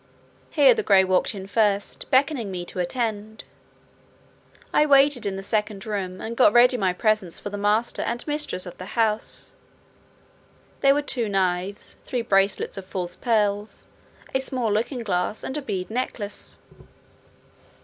Here the gray walked in first, beckoning me to attend: I waited in the second room, and got ready my presents for the master and mistress of the house; they were two knives, three bracelets of false pearls, a small looking glass, and a bead necklace.